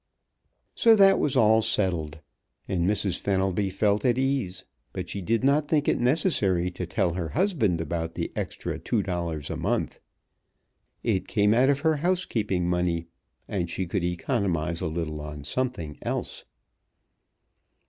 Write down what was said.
So that was all settled, and Mrs. Fenelby felt at ease, but she did not think it necessary to tell her husband about the extra two dollars a month. It came out of her housekeeping money, and she could economize a little on something else.